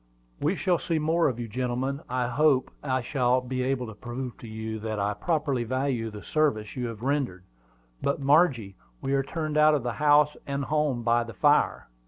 "We shall see more of you, gentlemen; and I hope I shall be able to prove to you that I properly value the service you have rendered. But, Margie, we are turned out of house and home by the fire."